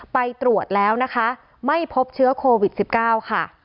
ไปตรวจแล้วนะคะไม่พบเชื้อโควิด๑๙ค่ะ